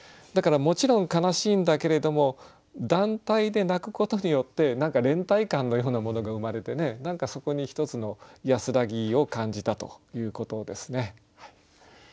だからもちろん悲しいんだけれども団体で泣くことによって何か連帯感のようなものが生まれて何かそこに一つの安らぎを感じたということですね。